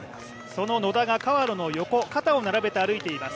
その野田が川野の横肩を並べて歩いています。